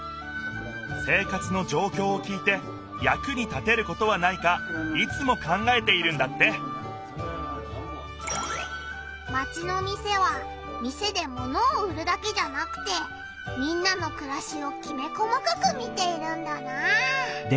生活のじょうきょうを聞いてやくに立てることはないかいつも考えているんだってマチの店は店で物を売るだけじゃなくてみんなのくらしをきめ細かく見ているんだなあ。